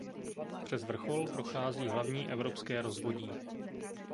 Přes vrchol prochází hlavní evropské rozvodí.